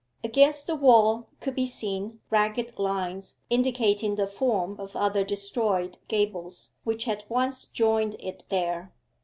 Against the wall could be seen ragged lines indicating the form of other destroyed gables which had once joined it there.